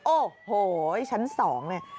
โอ้โหชั้น๒เนี่ย